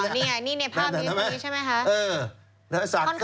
อ๋อนี่ภาพอยู่อยู่นี้ใช่ไหมคะ